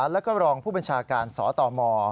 แล้วก็รองผู้บัญชาการสตม